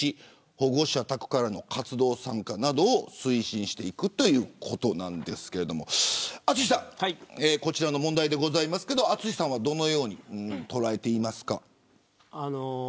保護者宅からの活動参加などを推進していくということですが淳さん、こちらの問題ですけどどのように捉えていますか。